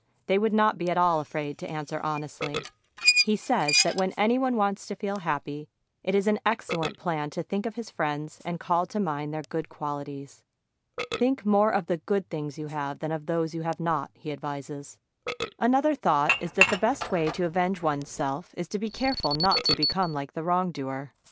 they would not be at all afraid to answer honestly. He says that when any one wants to feel happy, it is an excellent plan to think of his friends and call to mind their good qualities. Think more of the good things you have than of those you have not, he advises. Another thought is that the best way to avenge one's self is to be careful not to become like the wrongdoer.